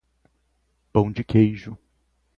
Pão de queijo